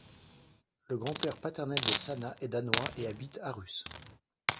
Le grand-père paternel de Sanna est danois et habite à Århus.